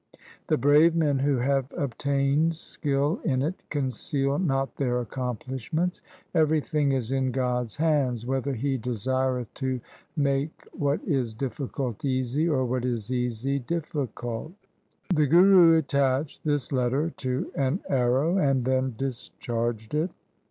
The brave men who have obtained skill in it, conceal not their accomplishments. Every thing is in God's hands, whether He desireth to make what is difficult easy, or what is easy difficult.' The Guru attached this letter to an arrow, and then discharged it.